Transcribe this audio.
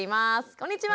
こんにちは。